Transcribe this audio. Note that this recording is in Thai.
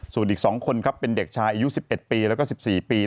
ส่วนอีก๒คนครับเป็นเด็กชายอายุ๑๑ปีแล้วก็๑๔ปี